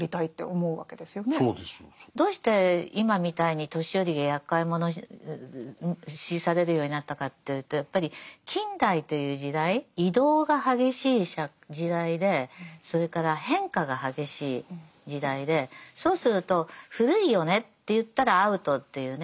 そうですよ。どうして今みたいに年寄りがやっかい者視されるようになったかというとやっぱり近代という時代移動が激しい時代でそれから変化が激しい時代でそうすると古いよねっていったらアウトっていうね。